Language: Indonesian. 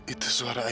itu suara aini